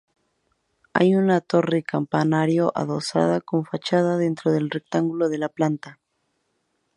Hay una torre campanario adosada con fachada dentro del rectángulo de la planta.